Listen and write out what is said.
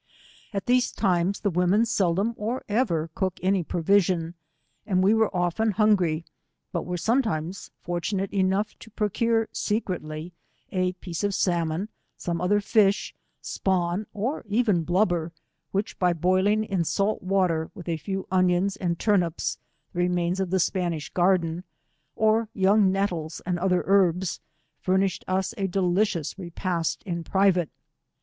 At these times the women, seldom or ever cook any provision, and we were often hungry, but were sometimes fortu nate enough to procure secretly, a piece of salmon, some other fish, spawn, or even blubber, which, by boiling in salt water, with a few onions and turnips, the remains of the Spanisb garden, or young nettles or other herbs, furnished us a deli cious repast in private.